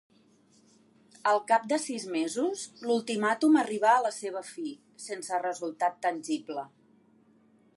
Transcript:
Al cap de sis mesos, l'ultimàtum arribà a la seva fi, sense resultat tangible.